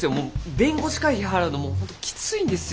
弁護士会費払うのもきついんですよ。